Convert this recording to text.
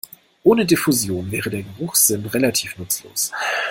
Ohne Diffusion wäre der Geruchssinn relativ nutzlos.